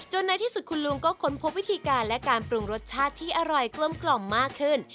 ในที่สุดคุณลุงก็ค้นพบวิธีการและการปรุงรสชาติที่อร่อยกลมมากขึ้น